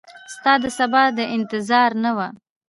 ستا دسبا د انتظار نه وه